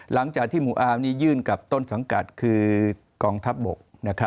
หลังจากที่หมู่อาร์มนี้ยื่นกับต้นสังกัดคือกองทัพบก